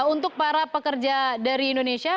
untuk para pekerja dari indonesia